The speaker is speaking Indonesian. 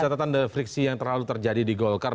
catatan dan friksi yang terlalu terjadi di golkar